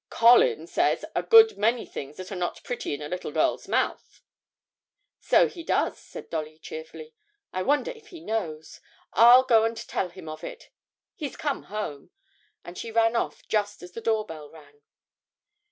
'Colin says a good many things that are not pretty in a little girl's mouth.' 'So he does,' said Dolly cheerfully. 'I wonder if he knows? I'll go and tell him of it he's come home.' And she ran off just as the door bell rang.